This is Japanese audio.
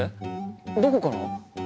どこから？